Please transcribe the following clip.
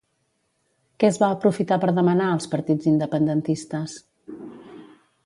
Què es va aprofitar per demanar als partits independentistes?